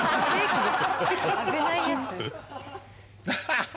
ハハハハ！